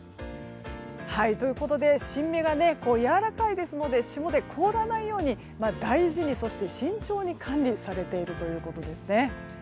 新芽はやわらかいですので霜で凍らないように大事にそして慎重に管理されているということです。